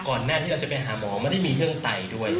หน้าที่เราจะไปหาหมอไม่ได้มีเรื่องไตด้วย